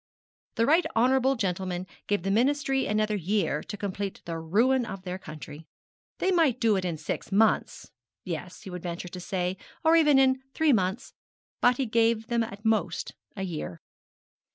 The right honourable gentleman gave the Ministry another year to complete the ruin of their country. They might do it in six months; yes, he would venture to say, or even in three months; but he gave them at most a year.